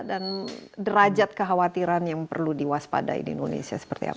dan derajat kekhawatiran yang perlu diwaspadai di indonesia seperti apa